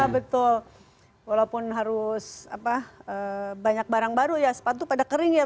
betul walaupun harus banyak barang baru ya sepatu pada kering ya